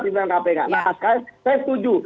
pimpinan kpk nah sekarang saya setuju